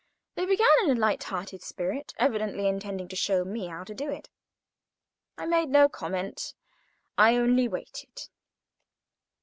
They began in a light hearted spirit, evidently intending to show me how to do it. I made no comment; I only waited.